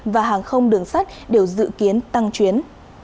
và hàng không đường sắt đều dự kiến tăng chuyến